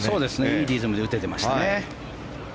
いいリズムで打ててましたね。